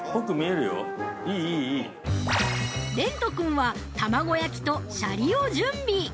◆蓮人君は卵焼きとシャリを準備。